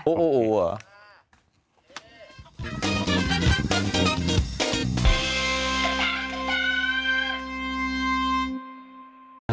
โอ้โหเหรอ